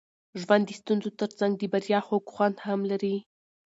ژوند د ستونزو ترڅنګ د بریا خوږ خوند هم لري.